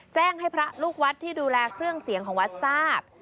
แจ้งให้พระลูกวัดที่ดูแลเครื่องเสียงของวัดทราบ